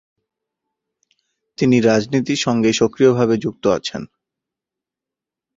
তিনি রাজনীতির সঙ্গে সক্রিয় ভাবে যুক্ত আছেন।